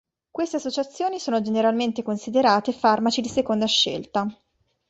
Queste associazioni sono generalmente considerate farmaci di seconda scelta.